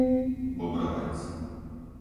Bobrovec